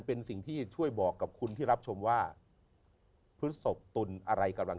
เป็นสิ่งที่ช่วยบอกกับคุณที่รับชมว่าพฤศพตุลอะไรกำลัง